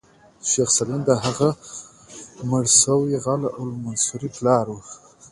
شیخ سلیم د هغه مړ شوي غل المنصور پلار و.